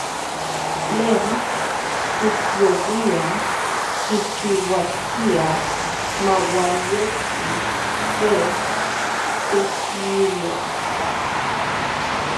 Tlen kijyouia kichiuaskia maualuetsi se tekiua.